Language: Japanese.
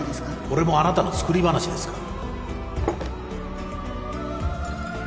これもあなたの作り話ですか？